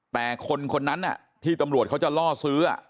แต่คนนั้นที่ตำรวจเขาจะล่อซื้อ